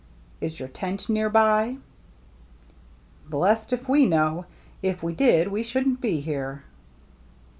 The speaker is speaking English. "Is your tent near by ?"" Blest if we know. If we did, we shouldn't be here."